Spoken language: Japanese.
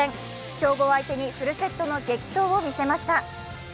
強豪相手にフルセットの激闘をみせました。